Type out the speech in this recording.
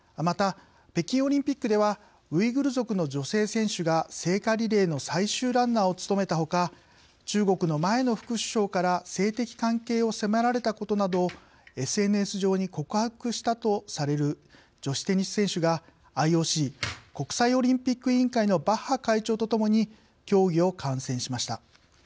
また、北京オリンピックではウイグル族の女性選手が聖火リレーの最終ランナーを務めたほか中国の前の副首相から性的関係を迫られたことなどをＳＮＳ上に告白したとされる女子テニス選手がＩＯＣ＝国際オリンピック委員会のバッハ会長とともに競技を観戦しました。